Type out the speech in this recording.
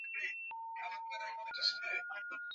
kugenja vikundi vya kijeshi bandia